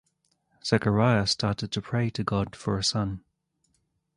Zechariah started to pray to God for a son.